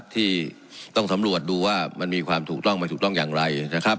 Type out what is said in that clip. ที่ต้องสำรวจดูว่ามันมีความถูกต้องมันถูกต้องอย่างไรนะครับ